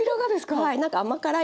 はい。